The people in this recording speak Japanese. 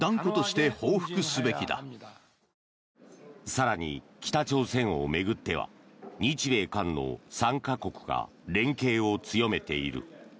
更に、北朝鮮を巡っては日米韓の３か国が連携を強めている。